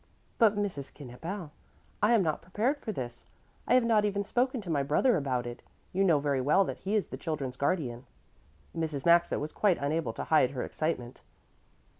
"But, Mrs. Knippel, I am not prepared for this. I have not even spoken to my brother about it. You know very well that he is the children's guardian." Mrs. Maxa was quite unable to hide her excitement.